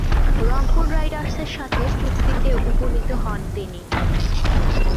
রংপুর রাইডার্সের সাথে চুক্তিতে উপনীত হন তিনি।